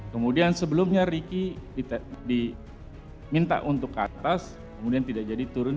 kemudian sebelumnya riki diminta untuk ke atas kemudian tidak jadi turun